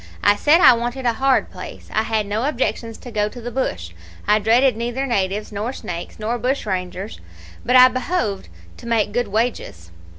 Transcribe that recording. I said I wanted a hard place. I had no objections to go to the bush I dreaded neither natives, nor snakes, nor bushrangers, but I behoved to make good wages.